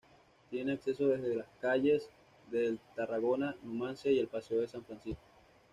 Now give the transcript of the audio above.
Tiene accesos desde las calles de Tarragona, Numancia y el paseo de San Antonio.